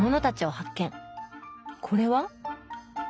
これは？